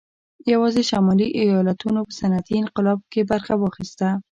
یوازې شمالي ایالتونو په صنعتي انقلاب کې برخه واخیسته